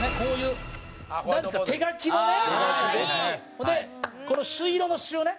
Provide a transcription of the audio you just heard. ほんでこの朱色のシュッ！ね。